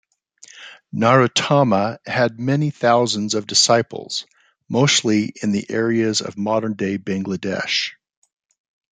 Narottama had many thousands of disciples, mostly in the areas of modern day Bangladesh.